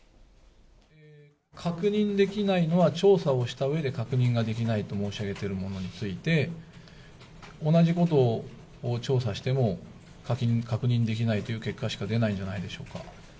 確認できないのは調査をしたうえで確認ができないと申し上げているものについて、同じことを調査しても、確認できないという結果しか出ないんじゃないでしょうか。